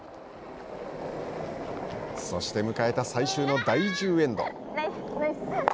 そして迎えた最終の第１０エンド。